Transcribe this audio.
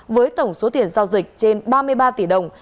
với tổng số tiền giao dịch trên ba mươi ba tỷ đồng